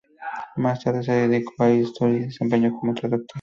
Más tarde se dedicó a la Historia y se desempeñó como traductor.